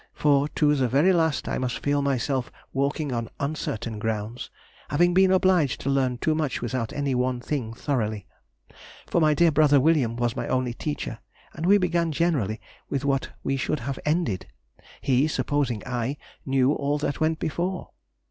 for to the very last I must feel myself walking on uncertain grounds, having been obliged to learn too much without any one thing thoroughly; for my dear brother William was my only teacher, and we began generally with what we should have ended; he, supposing I knew all that went before.